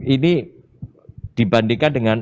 ini dibandingkan dengan